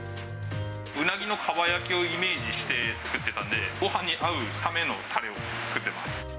うなぎの蒲焼きをイメージして作ってたんで、ごはんに合うためのたれを作ってます。